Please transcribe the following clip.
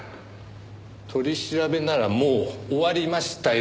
取り調べならもう終わりましたよ。